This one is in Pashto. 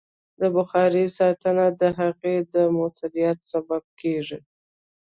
د بخارۍ ساتنه د هغې د مؤثریت سبب کېږي.